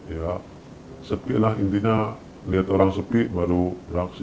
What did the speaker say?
ya sepi lah intinya lihat orang sepi baru beraksi